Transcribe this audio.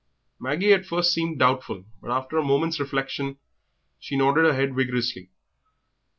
Maggie at first seemed doubtful, but after a moment's reflection she nodded her head vigorously.